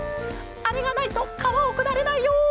「あれがないとかわをくだれないよ」。